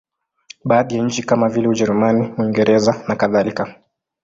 Baadhi ya nchi kama vile Ujerumani, Uingereza nakadhalika.